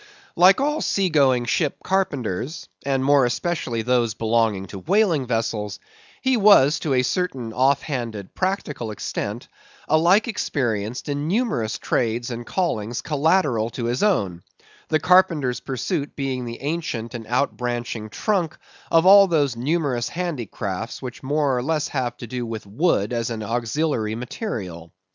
Like all sea going ship carpenters, and more especially those belonging to whaling vessels, he was, to a certain off handed, practical extent, alike experienced in numerous trades and callings collateral to his own; the carpenter's pursuit being the ancient and outbranching trunk of all those numerous handicrafts which more or less have to do with wood as an auxiliary material.